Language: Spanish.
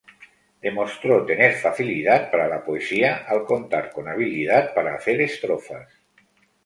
Demostró tener facilidad para la poesía, al contar con habilidad para hacer estrofas.